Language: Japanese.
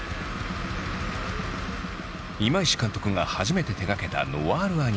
今石監督が初めて手がけたノワールアニメ。